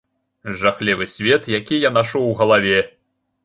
Жахлівы свет, які я нашу ў галаве.